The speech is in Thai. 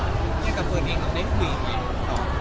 ให้กับเฟิร์นเองเขาได้คุยไหม